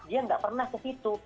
dia nggak pernah ke situ